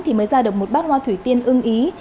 thì mới ra được một bát hoa thủy tiên ưng ý